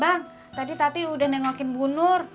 bang tadi tadi udah nengokin bunur